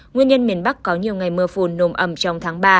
nguyên nhân miền bắc có nhiều ngày mưa phùn nồm ẩm trong tháng ba